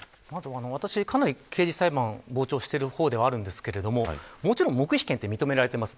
私、かなり刑事裁判を傍聴している方ではあるんですけれどももちろん黙秘権は認められています。